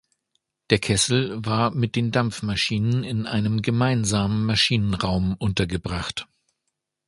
Der Kessel war mit den Dampfmaschinen in einem gemeinsamen Maschinenraum untergebracht.